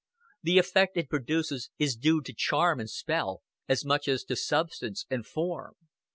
The effect it produces is due to charm and spell as much as to substance and form.